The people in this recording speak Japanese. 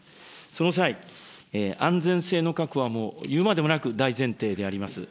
その際、安全性の確保はもう言うまでもなく大前提であります。